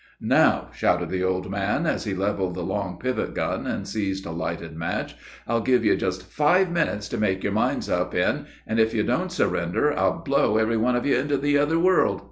"Now," shouted the old man, as he leveled the long pivot gun, and seized a lighted match, "I'll give you just five minutes to make your minds up in, and, if you don't surrender, I'll blow every one of you into the other world."